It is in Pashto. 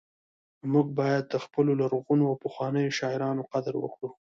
موږ باید د خپلو لرغونو او پخوانیو شاعرانو قدر وکړو